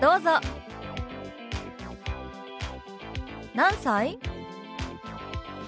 「何歳？」。